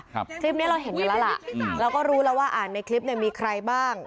คลิปเนี้ยเราเห็นอยู่แล้วล่ะอืมเราก็รู้แล้วว่าอ่านในคลิปเนี่ยมีใครบ้าง